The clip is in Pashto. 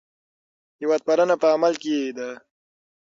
هېوادپالنه په عمل کې ده.